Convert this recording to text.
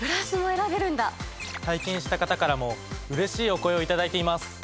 体験した方からもうれしいお声を頂いています。